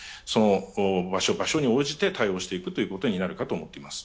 場所に応じて対応していくということになるかと思っています。